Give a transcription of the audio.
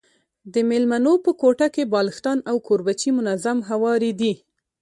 د مېلمنو په کوټه کي بالښتان او کوربچې منظم هواري دي.